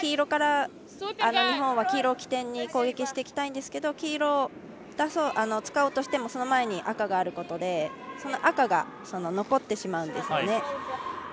日本は黄色を起点に攻撃してきたいんですけど黄色を使おうとしてもその前に、赤があることでその赤が残ってしまうんですね。